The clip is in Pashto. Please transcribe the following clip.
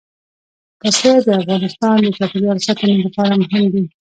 پسه د افغانستان د چاپیریال ساتنې لپاره مهم دي.